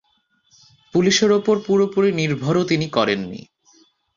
পুলিশের ওপর পুরোপুরি নির্ভরও তিনি করেন নি।